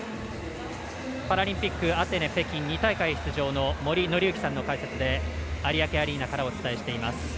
パラリンピックアテネ、北京２大会出場の森紀之さんの解説で有明アリーナからお伝えしています。